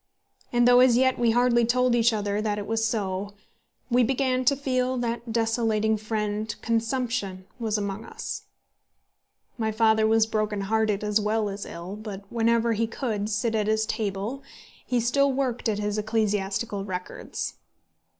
And though as yet we hardly told each other that it was so, we began to feel that that desolating fiend, consumption, was among us. My father was broken hearted as well as ill, but whenever he could sit at his table he still worked at his ecclesiastical records.